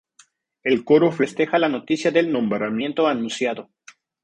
El coro festeja la noticia del nombramiento anunciado.